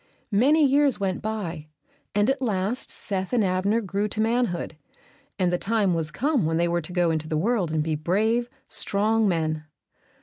Many years went by; and at last Seth and Abner grew to manhood, and the time was come when they were to go into the world and be brave, strong men.